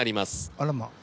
あらまあ。